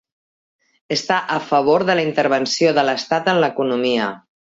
Està a favor de la intervenció de l'estat en l'economia.